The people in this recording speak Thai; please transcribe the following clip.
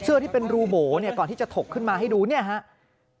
เสื้อที่เป็นรูโหมตอนที่จะถกขึ้นมาให้ดูนี่ครับ